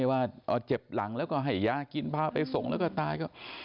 ว่าเจ็บหลังแล้วก็ให้ยากินพาไปส่งแล้วก็ตายก็